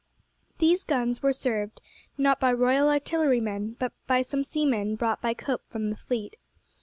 These guns were served, not by Royal Artillerymen, but by some seamen brought by Cope from the fleet.